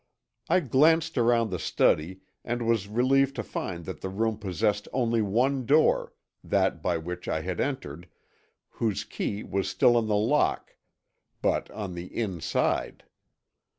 I glanced around the study and was relieved to find that the room possessed only one door, that by which I had entered, whose key was still in the lock, but on the inside.